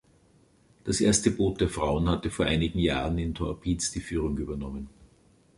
Das erste Boot der Frauen hatte vor einigen Jahren in Torpids die Führung übernommen.